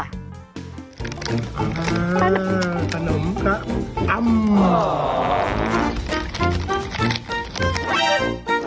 ขนมขนม